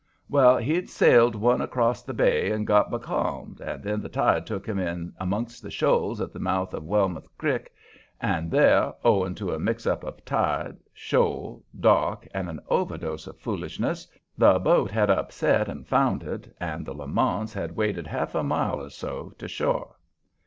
Well, he'd sailed one acrost the bay and got becalmed, and then the tide took him in amongst the shoals at the mouth of Wellmouth Crick, and there, owing to a mixup of tide, shoals, dark, and an overdose of foolishness, the boat had upset and foundered and the Lamonts had waded half a mile or so to shore.